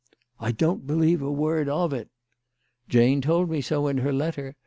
" I don't believe a word of it." " Jane told me so in her letter.